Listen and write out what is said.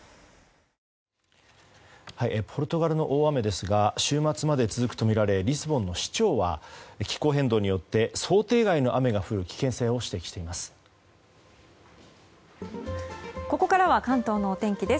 ポルトガルの大雨ですが週末まで続くとみられリスボンの市長は気候変動によって想定外の雨が降る危険性を指摘しています。